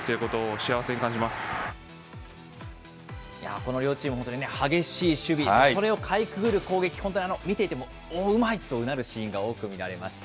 この両チーム、本当に激しい守備、それをかいくぐる攻撃、本当に見ていても、おっ、うまいとうなるシーンが多く見られました。